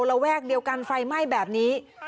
ระแวกเดียวกันไฟไหม้แบบนี้